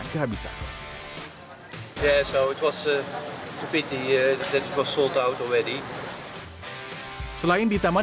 cyuelai sudah terhubungillekamu